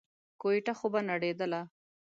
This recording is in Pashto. کوټه خو به نړېدله.